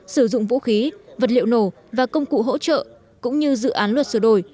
sử dụng vũ khí vật liệu nổ và công cụ hỗ trợ cũng như dự án luật sửa đổi